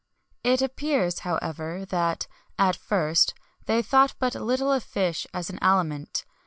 It appears, however, that, at first, they thought but little of fish as an aliment.